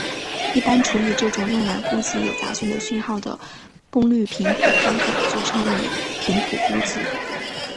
一般处理这种用来估计有杂讯的讯号的功率频谱的方法就称为频谱估计。